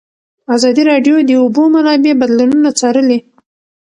ازادي راډیو د د اوبو منابع بدلونونه څارلي.